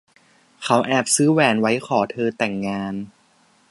เขาแอบซื้อแหวนไว้ขอเธอแต่งงาน